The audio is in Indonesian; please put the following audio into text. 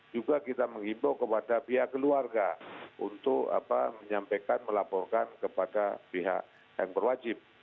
juga kita menghimbau kepada pihak keluarga untuk menyampaikan melaporkan kepada pihak yang berwajib